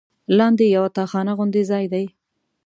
لاندې یوه تاخانه غوندې ځای دی.